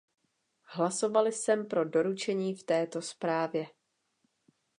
Hlasoval jsem pro doporučení v této zprávě.